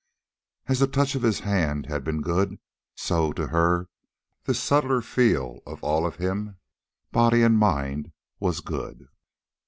As the touch of his hand had been good, so, to her, this subtler feel of all of him, body and mind, was good.